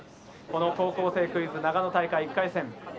この高校生クイズ長野大会１回戦。